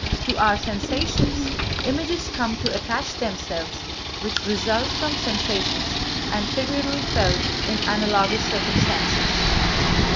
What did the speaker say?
To our sensations, images come to attach themselves which result from sensations anteriorly felt in analogous circumstances.